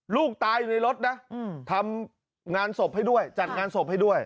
ลูกตายอยู่ในรถนะทำงานศพให้ด้วยจัดงานศพให้ด้วย